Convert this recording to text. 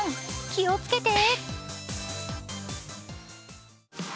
気をつけて。